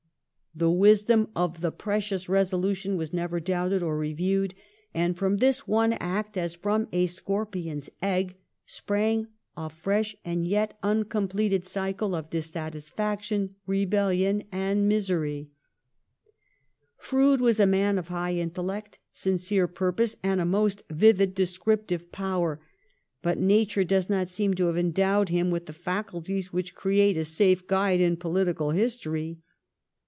The wisdom of the precious resolution was never doubted or reviewed ; and from this one act as from a scorpion's egg sprang a fresh and yet uncompleted cycle of disaffection, rebellion, and misery.' Froude was a man of high intellect, sincere purpose, and a most vivid descriptive power; but nature does not seem to have endowed him with the faculties which create a safe guide in poUtical history.